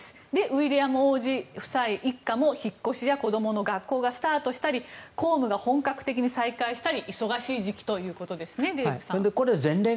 ウィリアム王子夫妻一家も引っ越しや子供の学校がスタートしたり公務が本格的に再開したり忙しい時期ということですね